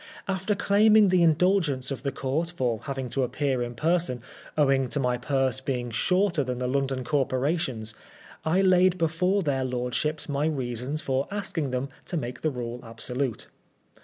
After claiming the indulgence of the Court for having to appear in person, owing to my purse being shorter than the London Corporation's, I laid before their lordships my reasons for asking them to make the rule absolute.